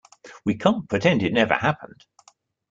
We can't pretend it never happened.